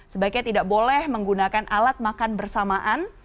sebaiknya tidak boleh menggunakan alat makan bersamaan